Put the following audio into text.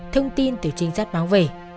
thông tin từ trinh sát báo về